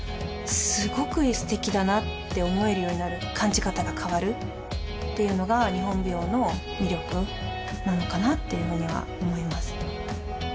すごく素敵だなって思えるようになる感じ方が変わるっていうのが日本舞踊の魅力なのかなっていうふうには思います